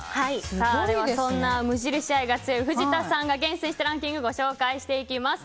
そんな無印愛が強い藤田さんが厳選したランキングご紹介していきます。